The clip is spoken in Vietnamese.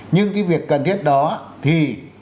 nhưng cái việc cần thiết đó thì